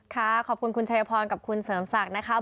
ค่ะขอบคุณคุณชัยพรกับคุณเสริมศักดิ์นะคะ